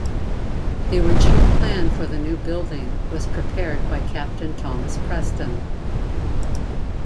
The original plan for the new building was prepared by Captain Thomas Preston.